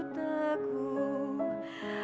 dari yakin ku teguh